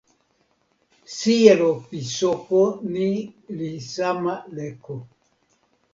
sijelo pi soko ni li sama leko.